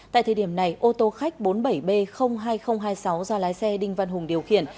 tại thời điểm này ô tô khách bốn mươi bảy b hai nghìn hai mươi sáu do lái xe đinh văn hùng điều khiển